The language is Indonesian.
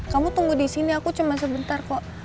kamu tunggu disini aku cuma sebentar kok